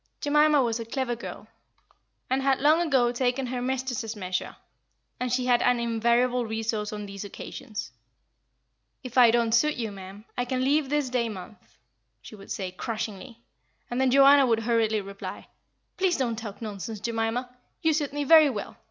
Jemima was a clever girl, and had long ago taken her mistress's measure; and she had an invariable resource on these occasions. "If I don't suit you, ma'am, I can leave this day month," she would say, crushingly; and then Joanna would hurriedly reply, "Please don't talk nonsense, Jemima. You suit me very well.